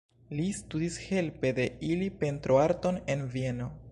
Li studis helpe de ili pentroarton en Vieno.